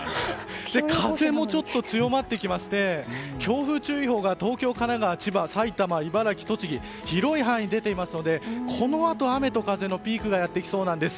風もちょっと強まってきまして強風注意報が東京、神奈川千葉、埼玉、茨城、栃木と広い範囲に出ていますのでこのあと雨と風のピークがやってきそうなんです。